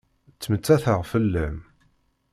Ttmettateɣ fell-am.